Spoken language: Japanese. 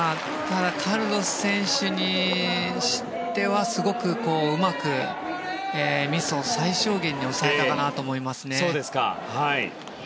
ただ、カルロス選手にしてはすごくうまくミスを最小限に抑えたかなと思いますね。